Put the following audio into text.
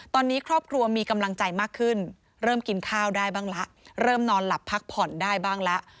ตอนนี้ครอบครัวมีกำลังใจมากขึ้นเริ่มกินข้าวได้บ้างละเริ่มนอนหลับพักผ่อนได้บ้างละ